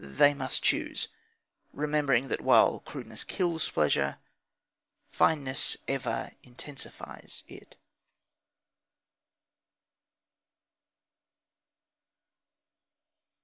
They must choose, remembering that while crudeness kills pleasure, fineness ever intensifies it.